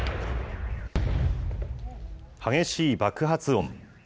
激しい爆発音。